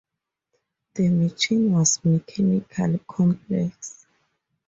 The machine was mechanically complex.